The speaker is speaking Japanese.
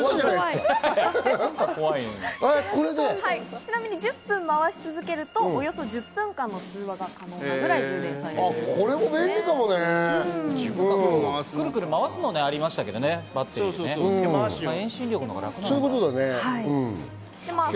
ちなみに１０分回し続けると、およそ１０分間の通話が可能なぐらい充電されるということです。